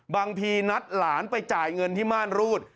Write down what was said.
บางทีนัดหลานไปจ่ายเงินที่ม่านรูด